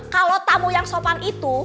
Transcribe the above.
kalau tamu yang sopan itu